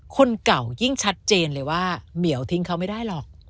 คนเก่ายิ่งชัดเจนเลยว่าเหมียวทิ้งเขาไม่ได้หรอก